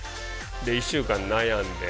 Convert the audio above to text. １週間悩んで。